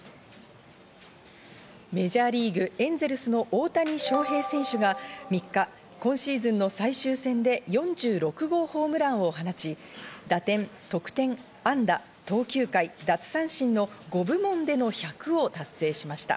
メジャーリーグ・エンゼルスの大谷翔平選手が３日、今シーズンの最終戦で４６号ホームランを放ち、打点、得点、安打、投球回、奪三振の５部門での１００を達成しました。